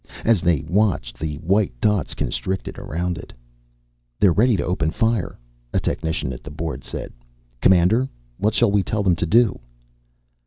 As they watched, the white dots constricted around it. "They're ready to open fire," a technician at the board said. "Commander, what shall we tell them to do?"